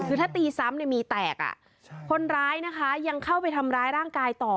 คือถ้าตีซ้ำเนี่ยมีแตกคนร้ายนะคะยังเข้าไปทำร้ายร่างกายต่อ